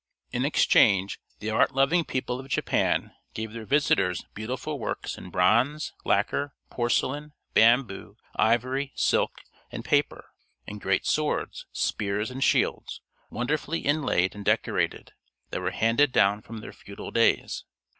In exchange, the art loving people of Japan gave their visitors beautiful works in bronze, lacquer, porcelain, bamboo, ivory, silk, and paper, and great swords, spears and shields, wonderfully inlaid and decorated, that were handed down from their feudal days.